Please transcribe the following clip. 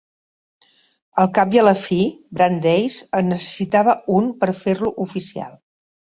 Al cap i a la fi, Brandeis en necessitava un per fer-lo oficial.